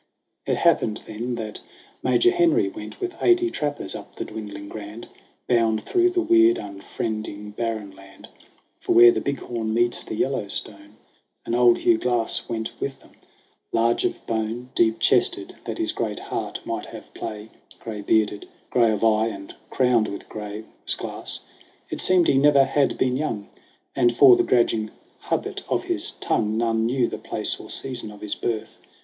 It happened then that Major Henry went With eighty trappers up the dwindling Grand, .Bound through the weird, unfriending barren land For where the Big Horn meets the Yellowstone; And old Hugh Glass went with them. Large of bone, 2 SONG OF HUGH GLASS Deep chested, that his great heart might have Gray bearded, gray of eye and crowned with gray Was Glass. It seemed he never had been young; And, for the grudging habit of his tongue, None knew the place or season of his birth.